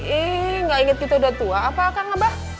ih gak inget kita udah tua apa kang abah